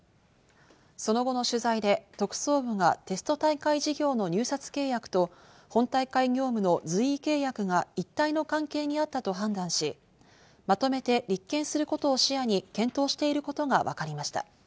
その後の取材で特捜部がテスト大会事業の入札契約と本大会業務の随意契約が一体の関係にあったと判断し、まとめて立件することを視野に検討していることがわかりました。